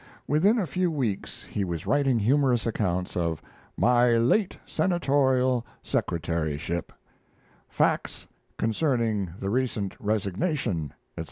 ] Within a few weeks he was writing humorous accounts of "My Late Senatorial Secretaryship," "Facts Concerning the Recent Resignation," etc.